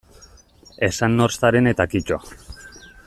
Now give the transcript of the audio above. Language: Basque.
Esan nor zaren eta kito.